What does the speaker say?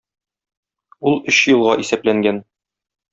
Ул өч елга исәпләнгән.